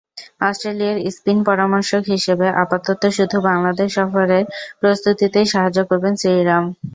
অস্ট্রেলিয়ার স্পিন পরামর্শক হিসেবে আপাতত শুধু বাংলাদেশ সফরের প্রস্তুতিতেই সাহায্য করবেন শ্রীরাম।